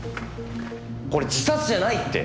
これ自殺じゃないって！